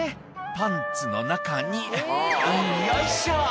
「パンツの中によいしょ」